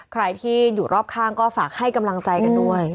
ใครที่อยู่รอบข้างก็ฝากให้กำลังใจกันด้วย